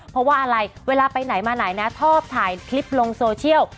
เพราะว่าอะไรเวลาไปไหนมาไหนนะชอบถ่ายคลิปลงโซเชียล